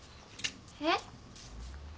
えっ？